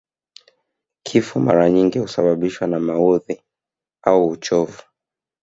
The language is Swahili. Kifo mara nyingi huasababishwa na maudhi au uchovu